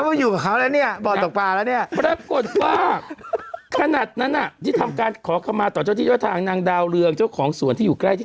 แม้ว่านางเปลี่ยนชุดได้เออสีเขียวสีเขียวหรือว่ามีอะไร